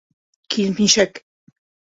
Килмешәк!